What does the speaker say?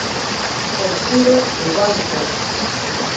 Kompiro iwanko.